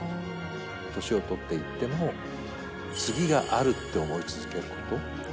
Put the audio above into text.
年をとっていっても、次があるって思い続けること。